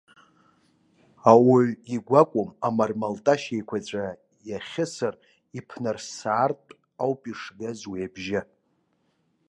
Ауаҩы игәы акәым, амармалташь еиқәаҵәа иахьысыр иԥнарссаратәы ауп ишгаз уи абжьы.